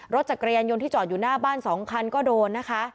รถจักรยานยนต์ที่จอดอยู่หน้าบ้าน๒คันก็โดนนะคะ